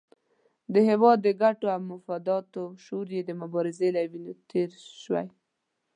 د هېواد د ګټو او مفاداتو شعور یې د مبارزې له وینو تېر شوی.